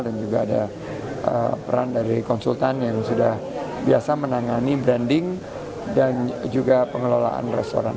dan juga ada peran dari konsultan yang sudah biasa menangani branding dan juga pengelolaan restoran